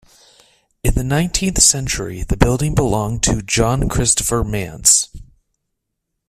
In the nineteenth century, the building belonged to John Christopher Manse.